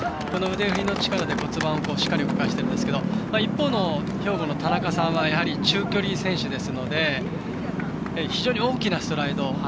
この腕振りの力で骨盤をしっかり動かしているんですけど一方の兵庫の田中さんは、やはり中距離選手ですので非常に大きなスライド。